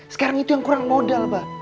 sekarang itu yang kurang modal pak